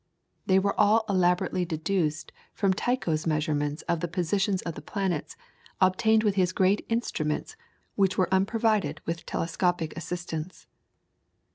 They were all elaborately deduced from Tycho's measurements of the positions of the planets, obtained with his great instruments, which were unprovided with telescopic assistance.